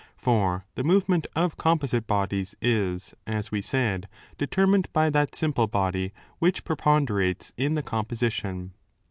For the move ment of composite bodies is, as we said, determined by that simple body which preponderates in the composition.